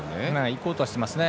行こうとはしてますね。